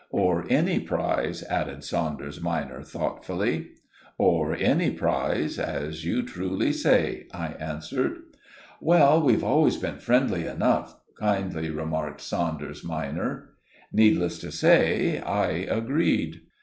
"Or any prize," added Saunders minor thoughtfully. "Or any prize, as you truly say," I answered. "Well, we've always been friendly enough," kindly remarked Saunders minor. Needless to say I agreed.